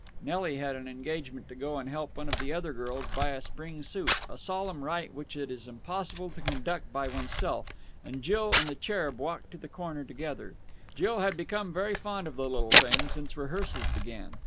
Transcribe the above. Nelly had an engagement to go and help one of the other girls buy a Spring suit, a solemn rite which it is impossible to conduct by oneself: and Jill and the cherub walked to the corner together. Jill had become very fond of the little thing since rehearsals began.